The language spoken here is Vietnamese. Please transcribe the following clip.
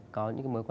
có những cái mối hợp